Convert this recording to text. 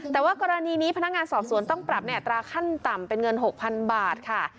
แต่ว่ากรณีนี้พนักงานสอบสวนต้องปรับในอัตราขั้นต่ำเป็นเงิน๖๐๐๐บาทค่ะ